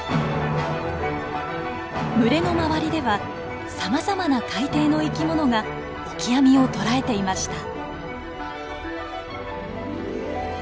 群れの周りではさまざまな海底の生き物がオキアミを捕らえていました。